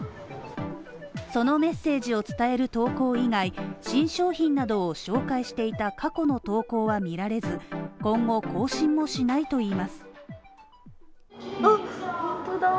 そのメッセージを伝える投稿以外、新商品などを紹介していた過去の投稿は見られず、今後更新もしないと言います。